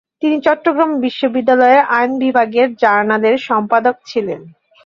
তিনি চট্টগ্রাম বিশ্ববিদ্যালয়ের আইন বিভাগের জার্নালের সম্পাদক ছিলেন।